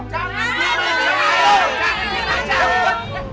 jangan jangan jangan